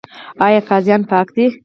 آیا قاضیان پاک دي؟